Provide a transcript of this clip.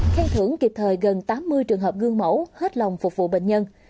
khen thưởng kịp thời gần tám mươi trường hợp gương mẫu hết lòng phục vụ bệnh nhân